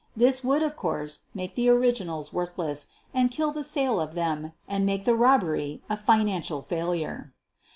This would, of course, make the original* worthless and kill the sale of them and make the robbery a financial failure.